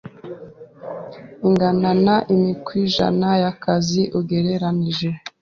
ingana na imi kwijana yakazi ugereranije